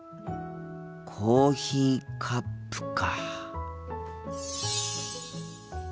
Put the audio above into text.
コーヒーカップか。